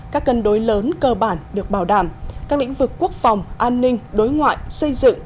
các cân đối lớn cơ bản được bảo đảm các lĩnh vực quốc phòng an ninh đối ngoại xây dựng